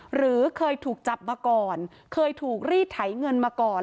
หรือเคยถูกจับมาก่อนเคยถูกรีดไถเงินมาก่อน